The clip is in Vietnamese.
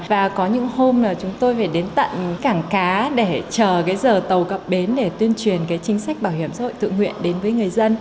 và có những hôm là chúng tôi phải đến tận cảng cá để chờ cái giờ tàu gặp bến để tuyên truyền cái chính sách bảo hiểm xã hội tự nguyện đến với người dân